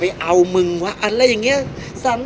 พี่อัดมาสองวันไม่มีใครรู้หรอก